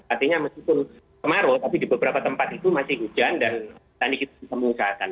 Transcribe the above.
artinya meskipun kemarau tapi di beberapa tempat itu masih hujan dan tadi kita bisa mengusahakan